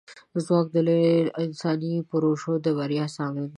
ځواک د لویو انساني پروژو د بریا ضامن دی.